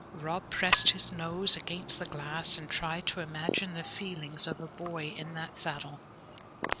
Rob pressed his nose against the glass, and tried to imagine the feelings of a boy in that saddle.